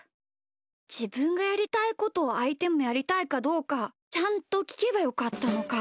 じぶんがやりたいことをあいてもやりたいかどうかちゃんときけばよかったのか。